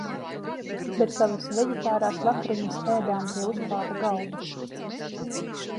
Bet savas veģitārās vakariņas ēdām pie uzklāta galda.